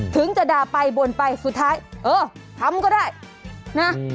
ถึงจะด่าไปบ่นไปสุดท้ายเออทำก็ได้นะ